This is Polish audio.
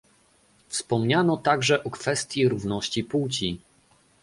Wspomniano także o kwestii równości płci